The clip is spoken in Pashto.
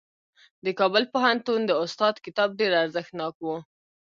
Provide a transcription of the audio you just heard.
د کابل پوهنتون د استاد کتاب ډېر ارزښتناک و.